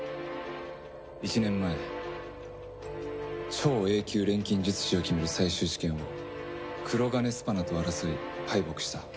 １年前超Ａ級錬金術師を決める最終試験を黒鋼スパナと争い敗北した。